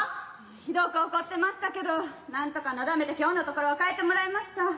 ひどく怒ってましたけどなんとかなだめて今日のところは帰ってもらいました。